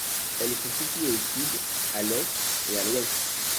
Elles sont situées au sud, à l'est et à l'ouest.